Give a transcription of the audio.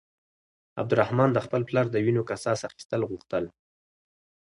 عبدالرحمن د خپل پلار د وينو قصاص اخيستل غوښتل.